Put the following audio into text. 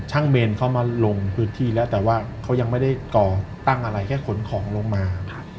เมนเขามาลงพื้นที่แล้วแต่ว่าเขายังไม่ได้ก่อตั้งอะไรแค่ขนของลงมา